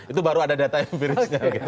itu baru ada data yang berisnya